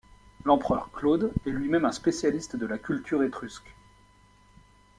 L'empereur Claude est lui-même un spécialiste de la culture étrusque.